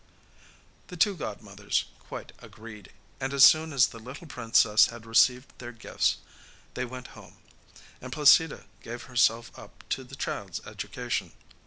The two godmothers quite agreed, and as soon as the little princess had received their gifts, they went home, and Placida gave herself up to the child's education.